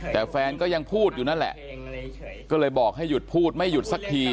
แต่แฟนก็ยังพูดอยู่นั่นแหละก็เลยบอกให้หยุดพูดไม่หยุดสักที